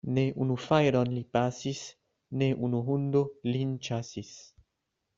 Ne unu fajron li pasis, ne unu hundo lin ĉasis.